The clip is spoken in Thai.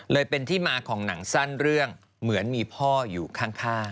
เลยเป็นที่มาของหนังสั้นเรื่องเหมือนมีพ่ออยู่ข้าง